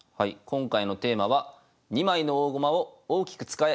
今回のテーマは「二枚の大駒を大きく使え」です。